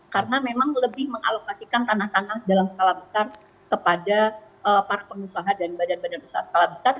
karena memang lebih mengalokasikan tanah tanah dalam skala besar kepada para pengusaha dan badan badan usaha skala besar